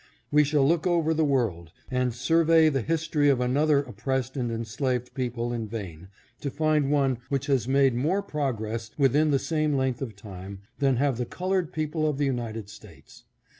We shall look over the world, and survey the history of any other oppressed and enslaved people in vain, to find one which has made more progress within the same length of time, than have the colored people of the United States.